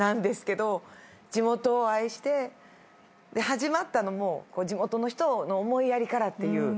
始まったのも地元の人の思いやりからっていう。